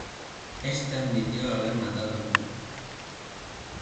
Éste admitió haber matado al burro.